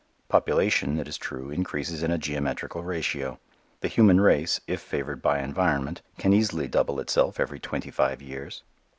Population, it is true, increases in a geometrical ratio. The human race, if favored by environment, can easily double itself every twenty five years.